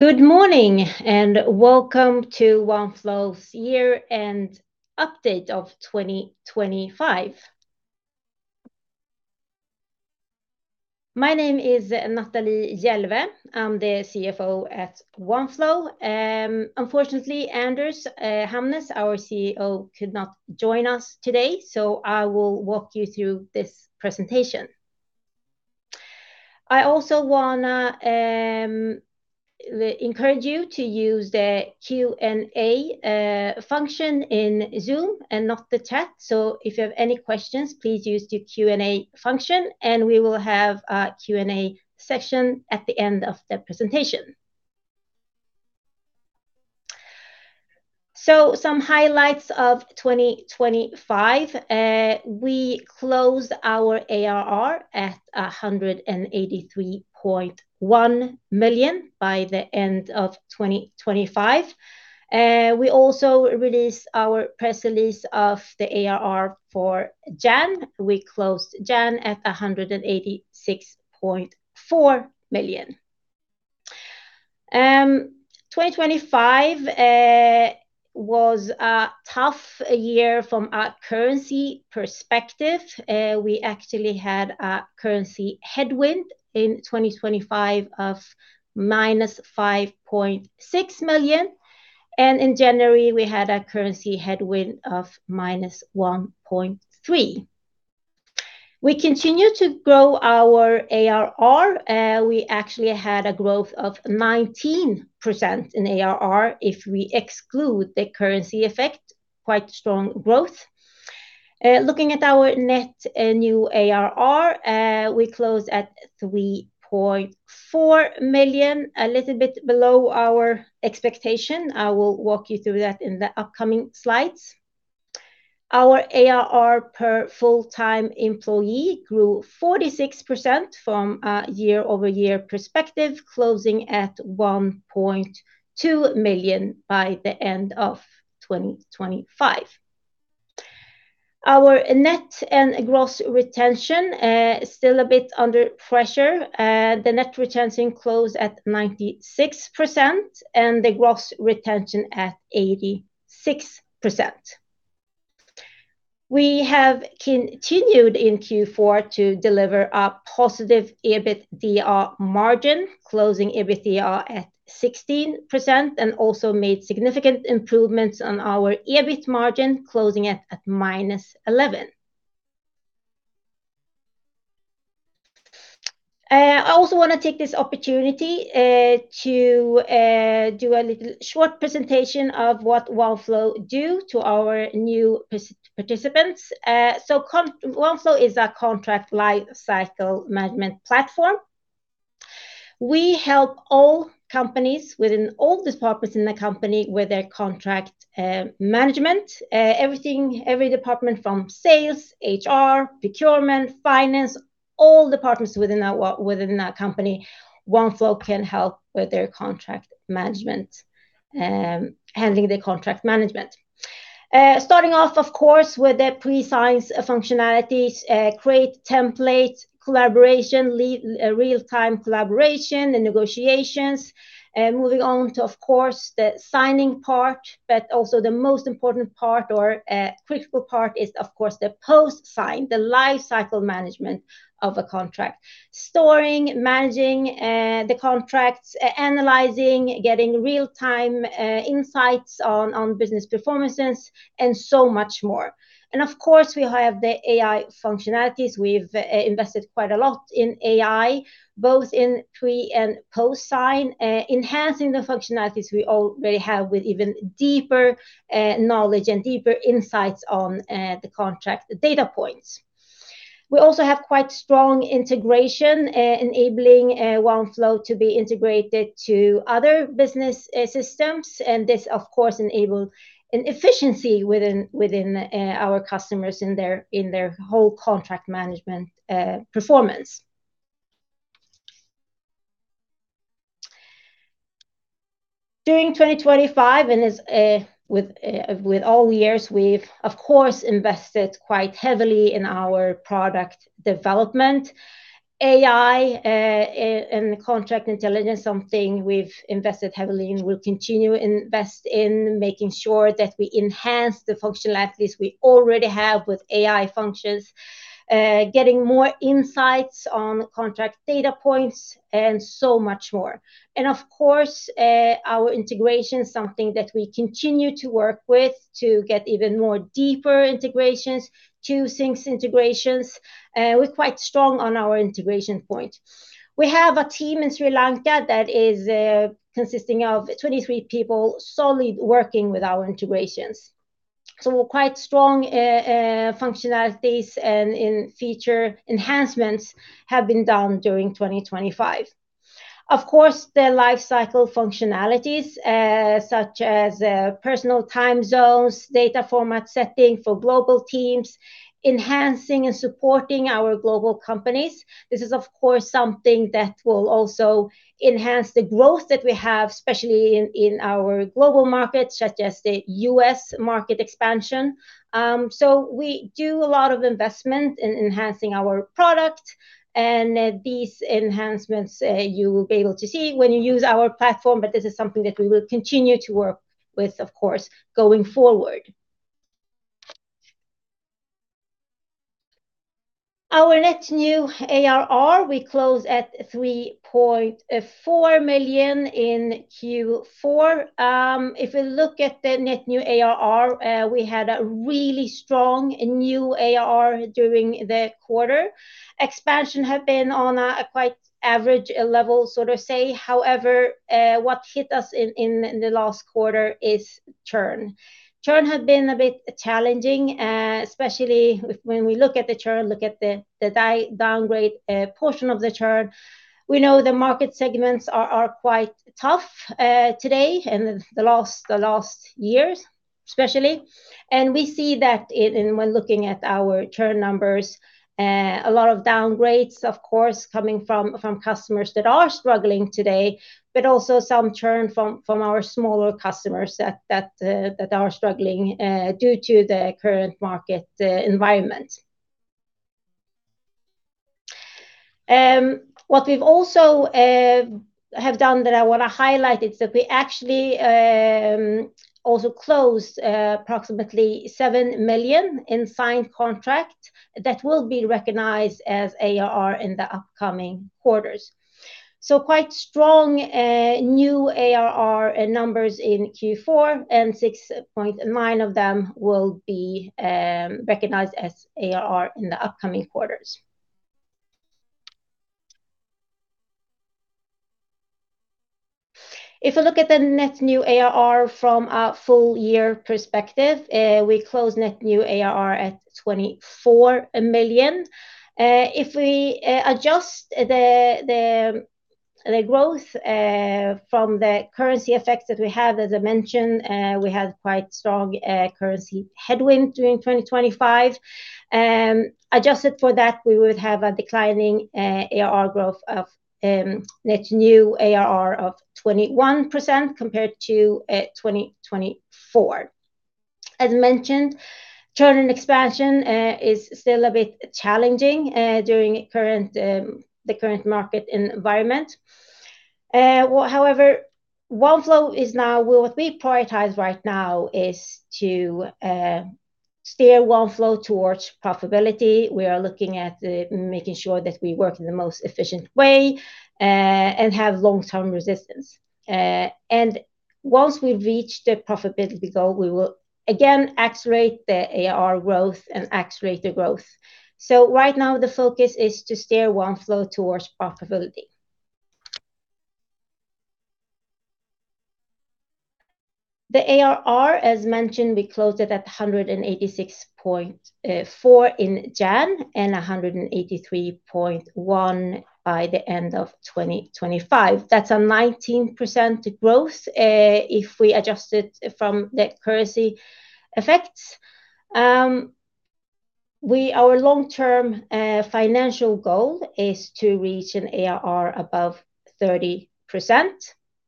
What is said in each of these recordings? Good morning, and welcome to Oneflow's Year-End Update of 2025. My name is Natalie Jelveh. I'm the CFO at Oneflow. Unfortunately, Anders Hamnes, our CEO, could not join us today, so I will walk you through this presentation. I also wanna encourage you to use the Q&A function in Zoom and not the chat. So if you have any questions, please use the Q&A function, and we will have a Q&A session at the end of the presentation. Some highlights of 2025, we closed our ARR at 183.1 million by the end of 2025. We also released our press release of the ARR for January. We closed January at SEK 186.4 million. 2025 was a tough year from a currency perspective. We actually had a currency headwind in 2025 of -5.6 million, and in January, we had a currency headwind of -1.3 million. We continue to grow our ARR. We actually had a growth of 19% in ARR if we exclude the currency effect. Quite strong growth. Looking at our Net New ARR, we closed at 3.4 million, a little bit below our expectation. I will walk you through that in the upcoming slides. Our ARR per full-time employee grew 46% from a year-over-year perspective, closing at 1.2 million by the end of 2025. Our net and gross retention still a bit under pressure. The net retention closed at 96%, and the gross retention at 86%. We have continued in Q4 to deliver a positive EBITDA margin, closing EBITDA at 16%, and also made significant improvements on our EBIT margin, closing it at -11%. I also want to take this opportunity to do a little short presentation of what Oneflow do to our new participants. Oneflow is a contract lifecycle management platform. We help all companies within all departments in the company with their contract management, everything, every department from sales, HR, procurement, finance, all departments within that within that company, Oneflow can help with their contract management, handling the contract management. Starting off, of course, with the pre-sign functionalities, create templates, collaboration, real-time collaboration, and negotiations. Moving on to, of course, the signing part, but also the most important part or critical part is, of course, the post-sign, the lifecycle management of a contract. Storing, managing, the contracts, analyzing, getting real-time, insights on business performances, and so much more. And of course, we have the AI functionalities. We've invested quite a lot in AI, both in pre and post-sign, enhancing the functionalities we already have with even deeper, knowledge and deeper insights on the contract data points. We also have quite strong integration, enabling Oneflow to be integrated to other business systems, and this, of course, enable an efficiency within our customers in their whole contract management performance. During 2025, and as with all years, we've of course invested quite heavily in our product development. AI and contract intelligence, something we've invested heavily in. We'll continue to invest in, making sure that we enhance the functionalities we already have with AI functions, getting more insights on contract data points, and so much more. Of course, our integration is something that we continue to work with to get even more deeper integrations, two-way sync integrations. We're quite strong on our integration point. We have a team in Sri Lanka that is consisting of 23 people, solely working with our integrations. So quite strong, functionalities and in feature enhancements have been done during 2025. Of course, the lifecycle functionalities, such as personal time zones, data format setting for global teams, enhancing and supporting our global companies. This is, of course, something that will also enhance the growth that we have, especially in our global markets, such as the U.S. market expansion. So we do a lot of investment in enhancing our product, and these enhancements, you will be able to see when you use our platform, but this is something that we will continue to work with, of course, going forward. Our Net New ARR, we close at 3.4 million in Q4. If we look at the Net New ARR, we had a really strong new ARR during the quarter. Expansion have been on a quite average level, so to say. However, what hit us in the last quarter is churn. Churn has been a bit challenging, especially with when we look at the churn, look at the downgrade portion of the churn. We know the market segments are quite tough today and the last years, especially. And we see that in when looking at our churn numbers, a lot of downgrades, of course, coming from customers that are struggling today, but also some churn from our smaller customers that are struggling due to the current market environment. What we've also have done that I wanna highlight is that we actually also closed approximately 7 million in signed contract that will be recognized as ARR in the upcoming quarters. So quite strong new ARR numbers in Q4, and 6.9 of them will be recognized as ARR in the upcoming quarters. If you look at the Net New ARR from a full year perspective, we close Net New ARR at 24 million. If we adjust the growth from the currency effects that we have, as I mentioned, we had quite strong currency headwind during 2025. Adjusted for that, we would have a declining ARR growth of Net New ARR of 21% compared to 2024. As mentioned, churn and expansion is still a bit challenging during the current market environment. However, Oneflow is now... Well, what we prioritize right now is to steer Oneflow towards profitability. We are looking at making sure that we work in the most efficient way and have long-term resistance. And once we've reached the profitability goal, we will again accelerate the ARR growth and accelerate the growth. So right now, the focus is to steer Oneflow towards profitability. The ARR, as mentioned, we closed it at 186.4 in January, and 183.1 by the end of 2025. That's a 19% growth, if we adjust it from the currency effects. Our long-term financial goal is to reach an ARR above 30%.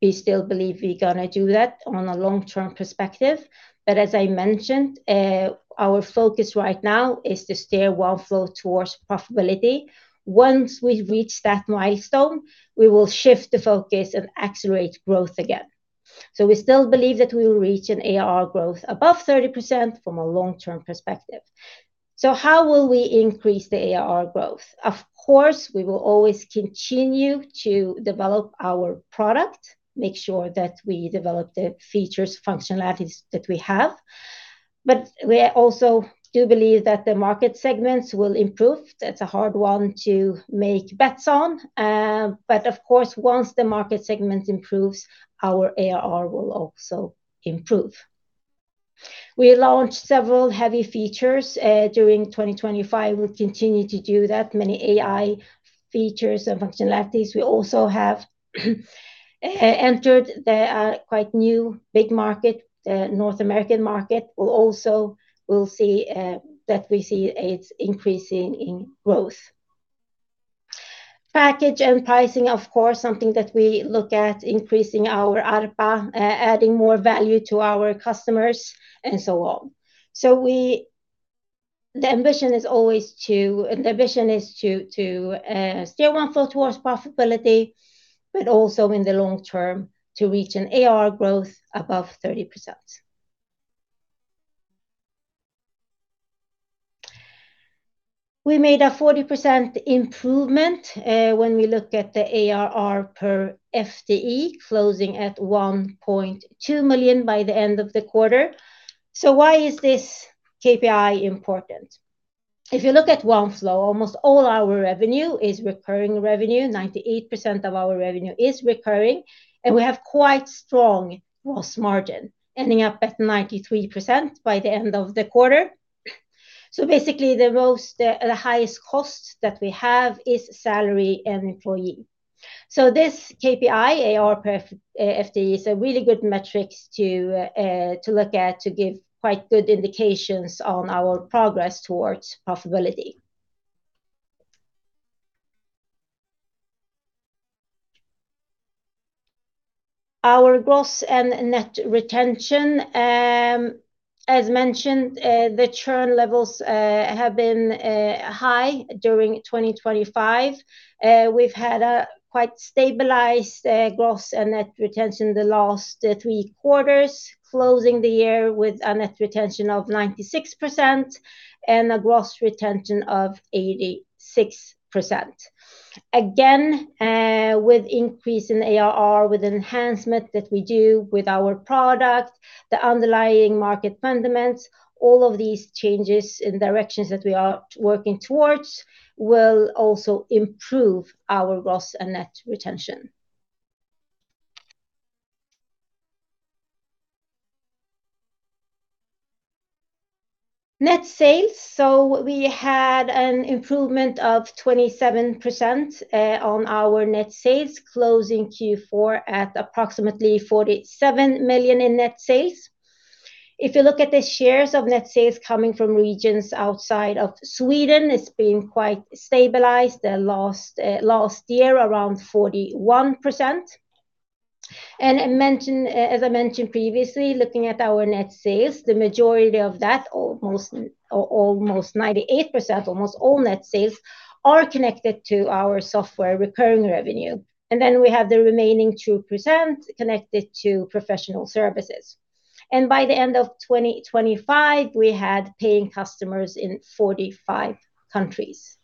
We still believe we're gonna do that on a long-term perspective, but as I mentioned, our focus right now is to steer Oneflow towards profitability. Once we reach that milestone, we will shift the focus and accelerate growth again. So we still believe that we will reach an ARR growth above 30% from a long-term perspective. So how will we increase the ARR growth? Of course, we will always continue to develop our product, make sure that we develop the features, functionalities that we have, but we also do believe that the market segments will improve. That's a hard one to make bets on. But of course, once the market segment improves, our ARR will also improve. We launched several heavy features during 2025. We'll continue to do that, many AI features and functionalities. We also have entered the quite new big market, the North American market. We'll also, we'll see, that we see it's increasing in growth. Package and pricing, of course, something that we look at, increasing our ARPA, adding more value to our customers, and so on. So the ambition is always to steer Oneflow towards profitability, but also in the long term, to reach an ARR growth above 30%. We made a 40% improvement when we look at the ARR per FTE, closing at 1.2 million by the end of the quarter. So why is this KPI important? If you look at Oneflow, almost all our revenue is recurring revenue. 98% of our revenue is recurring, and we have quite strong gross margin, ending up at 93% by the end of the quarter. So basically, the most, the, the highest cost that we have is salary and employee. So this KPI, ARR per FTE, is a really good metrics to look at, to give quite good indications on our progress towards profitability. Our gross and net retention. As mentioned, the churn levels have been high during 2025. We've had a quite stabilized gross and net retention the last three quarters, closing the year with a net retention of 96% and a gross retention of 86%. Again, with increase in ARR, with enhancement that we do with our product, the underlying market fundamentals, all of these changes and directions that we are working towards will also improve our gross and net retention. Net sales. So we had an improvement of 27% on our net sales, closing Q4 at approximately 47 million in net sales. If you look at the shares of net sales coming from regions outside of Sweden, it's been quite stabilized the last year, around 41%. As I mentioned previously, looking at our net sales, the majority of that, almost, almost 98%, almost all net sales, are connected to our software recurring revenue. And then we have the remaining 2% connected to professional services. And by the end of 2025, we had paying customers in 45 countries.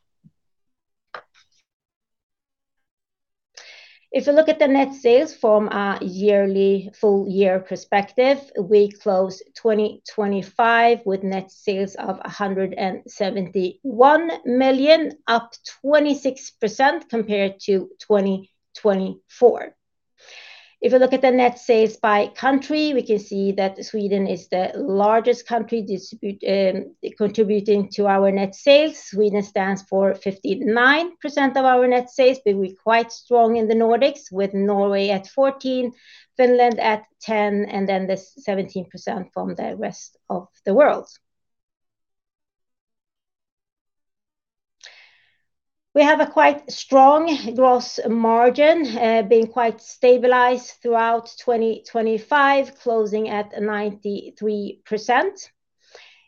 If you look at the net sales from a yearly full year perspective, we closed 2025 with net sales of 171 million, up 26% compared to 2024. If you look at the net sales by country, we can see that Sweden is the largest country distribute, contributing to our net sales. Sweden stands for 59% of our net sales, but we're quite strong in the Nordics, with Norway at 14%, Finland at 10%, and then the 17% from the rest of the world. We have a quite strong gross margin, being quite stabilized throughout 2025, closing at 93%.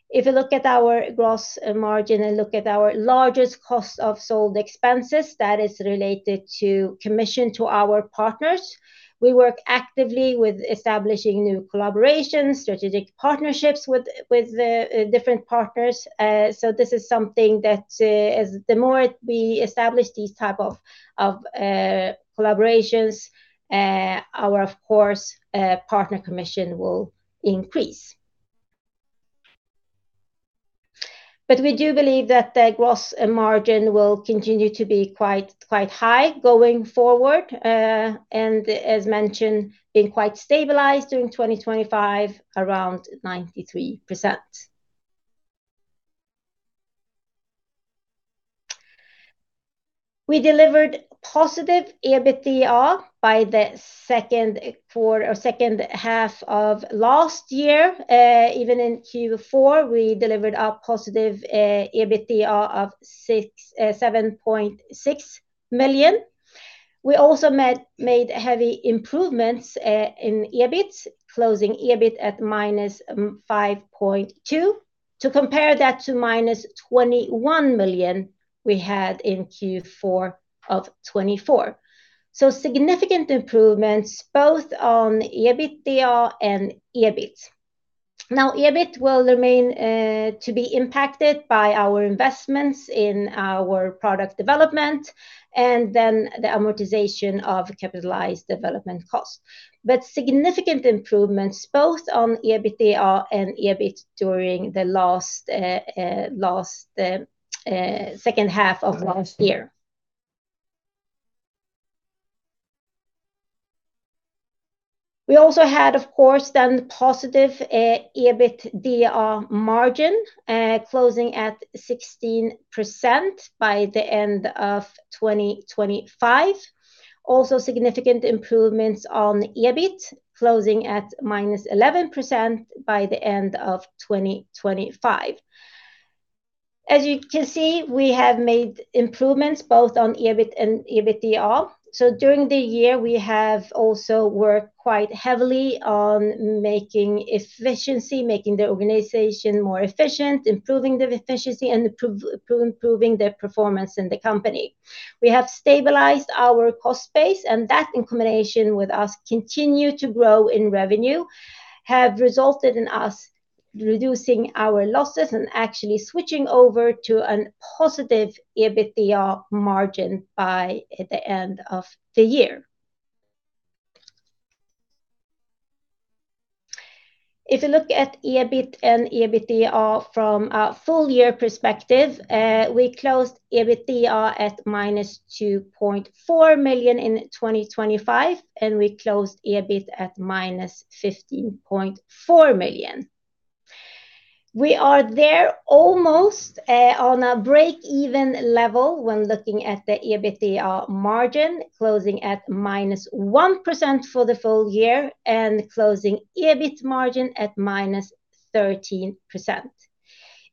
If you look at our gross margin and look at our largest cost of sold expenses, that is related to commission to our partners, we work actively with establishing new collaborations, strategic partnerships with the different partners. So this is something that, as the more we establish these type of collaborations, our of course partner commission will increase. But we do believe that the gross margin will continue to be quite, quite high going forward, and as mentioned, being quite stabilized during 2025, around 93%. We delivered positive EBITDA by the second quarter or second half of last year. Even in Q4, we delivered a positive EBITDA of 7.6 million. We also made heavy improvements in EBIT, closing EBIT at -5.2 million, to compare that to -21 million we had in Q4 of 2024. So significant improvements both on EBITDA and EBIT. Now, EBIT will remain to be impacted by our investments in our product development and then the amortization of capitalized development costs. But significant improvements both on EBITDA and EBIT during the last second half of last year. We also had, of course, then positive EBITDA margin closing at 16% by the end of 2025. Also, significant improvements on EBIT, closing at -11% by the end of 2025. As you can see, we have made improvements both on EBIT and EBITDA. So during the year, we have also worked quite heavily on making efficiency, making the organization more efficient, improving the efficiency, and improving the performance in the company. We have stabilized our cost base, and that, in combination with us continue to grow in revenue, have resulted in us reducing our losses and actually switching over to a positive EBITDA margin by the end of the year. If you look at EBIT and EBITDA from a full year perspective, we closed EBITDA at -2.4 million in 2025, and we closed EBIT at -15.4 million. We are there almost on a break-even level when looking at the EBITDA margin, closing at -1% for the full year and closing EBIT margin at -13%.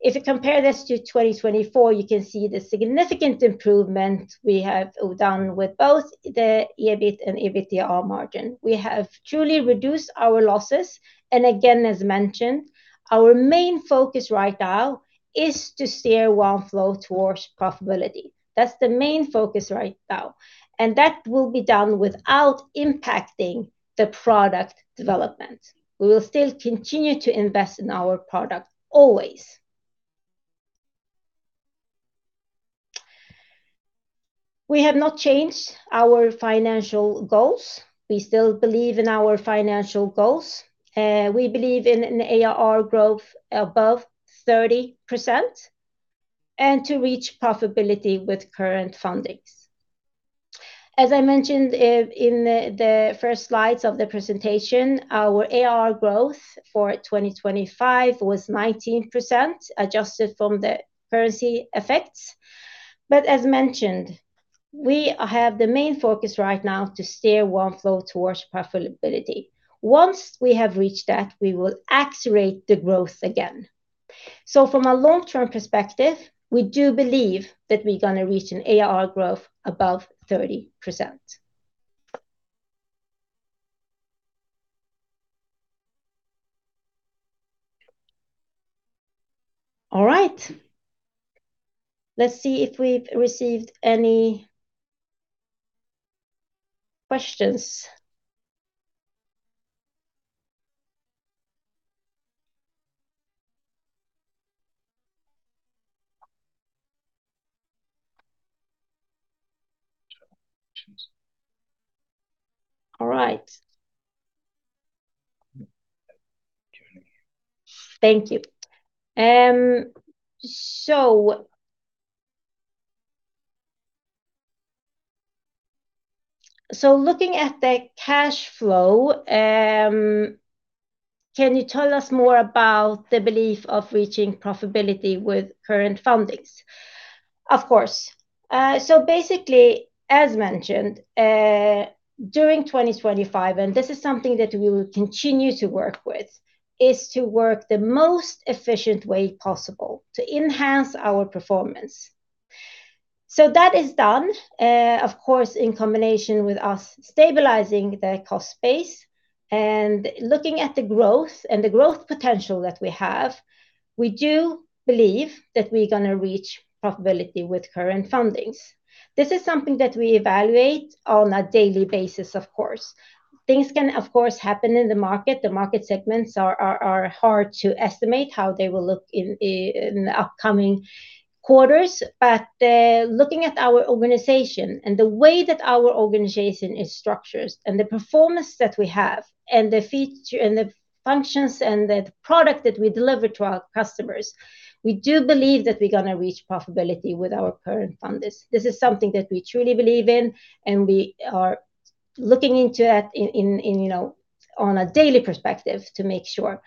If you compare this to 2024, you can see the significant improvement we have done with both the EBIT and EBITDA margin. We have truly reduced our losses, and again, as mentioned, our main focus right now is to steer Oneflow towards profitability. That's the main focus right now, and that will be done without impacting the product development. We will still continue to invest in our product, always. We have not changed our financial goals. We still believe in our financial goals. We believe in an ARR growth above 30% and to reach profitability with current fundings. As I mentioned in the first slides of the presentation, our ARR growth for 2025 was 19%, adjusted from the currency effects. But as mentioned, we have the main focus right now to steer Oneflow towards profitability. Once we have reached that, we will accelerate the growth again. So from a long-term perspective, we do believe that we're going to reach an ARR growth above 30%. All right. Let's see if we've received any questions. All right. Thank you. So looking at the cash flow, can you tell us more about the belief of reaching profitability with current fundings? Of course. So basically, as mentioned, during 2025, and this is something that we will continue to work with, is to work the most efficient way possible to enhance our performance. So that is done, of course, in combination with us stabilizing the cost base and looking at the growth and the growth potential that we have, we do believe that we're going to reach profitability with current fundings. This is something that we evaluate on a daily basis, of course. Things can, of course, happen in the market. The market segments are hard to estimate how they will look in the upcoming quarters. But looking at our organization and the way that our organization is structured and the performance that we have and the feature, and the functions and the product that we deliver to our customers, we do believe that we're going to reach profitability with our current funders. This is something that we truly believe in, and we are looking into it in, you know, on a daily perspective to make sure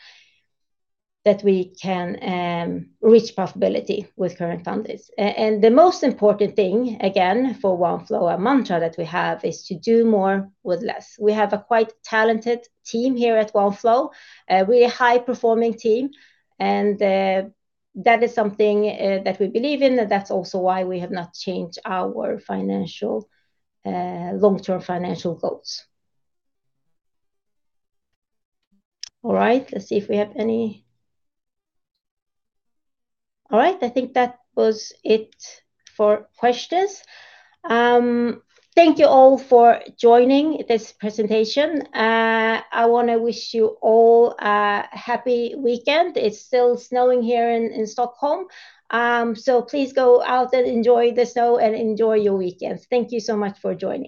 that we can reach profitability with current funders. And the most important thing, again, for Oneflow, a mantra that we have, is to do more with less. We have a quite talented team here at Oneflow. We're a high-performing team, and that is something that we believe in, and that's also why we have not changed our financial long-term financial goals. All right, let's see if we have any... All right, I think that was it for questions. Thank you all for joining this presentation. I want to wish you all a happy weekend. It's still snowing here in Stockholm, so please go out and enjoy the snow and enjoy your weekend. Thank you so much for joining.